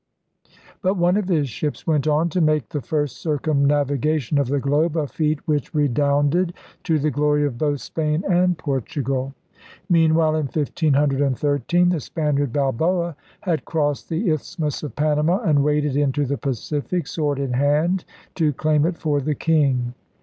But one of his ships went on to make the first circumnavigation of the globe, a feat which redounded to the glory of both Spain and Portugal. Meanwhile, in 1513, the Spaniard Balboa had crossed the Isthmus of Panama and waded into the Pacific, sword in hand, to claim it for the king.